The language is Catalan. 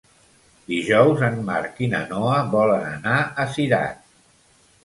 Dijous en Marc i na Noa volen anar a Cirat.